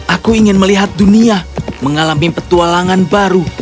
aku ingin melihat dunia mengalami petualangan baru